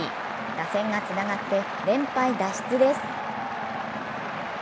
打線がつながって連敗脱出です。